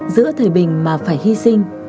giữa thời bình mà phải hy sinh